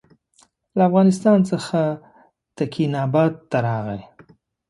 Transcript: له افغانستان څخه تکیناباد ته راغی.